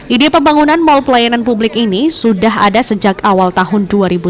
ide pembangunan mal pelayanan publik ini sudah ada sejak awal tahun dua ribu sembilan belas